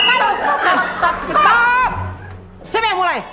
dia yang mulai